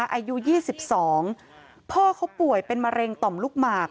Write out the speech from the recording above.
อายุ๒๒พ่อเขาป่วยเป็นมะเร็งต่อมลูกหมาก